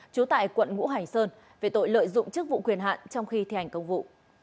trú tại quận ngũ hành sơn về tội lợi dụng chức vụ quyền hạn trong khi thi hành công vụ